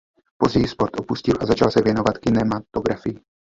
Později sport opustil a začal se věnovat kinematografii.